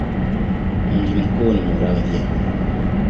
Mji mkuu ni Muramvya.